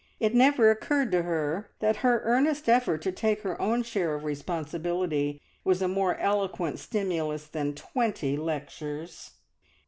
It never occurred to her that her earnest effort to take her own share of responsibility was a more eloquent stimulus than twenty lectures!